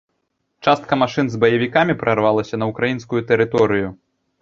Частка машын з баевікамі прарвалася на ўкраінскую тэрыторыю.